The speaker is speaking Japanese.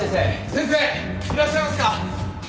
先生いらっしゃいますか？